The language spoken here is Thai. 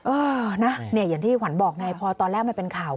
เออนะเนี่ยอย่างที่ขวัญบอกไงพอตอนแรกมันเป็นข่าว